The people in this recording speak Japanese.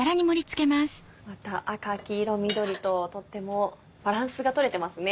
また赤黄色緑ととってもバランスが取れてますね。